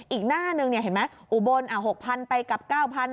อีกหน้านึงเห็นไหมอุบล๖๐๐๐บาทไปกลับ๙๐๐๐บาท